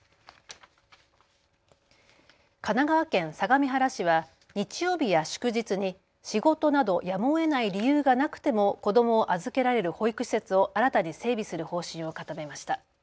神奈川県相模原市は日曜日や祝日に仕事など、やむをえない理由がなくても子どもを預けられる保育施設を新たに整備する方針を固めました。